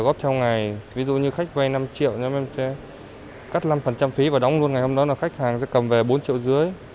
đóng góp theo ngày ví dụ như khách vay năm triệu nhưng cắt năm phí và đóng luôn ngày hôm đó là khách hàng sẽ cầm về bốn triệu dưới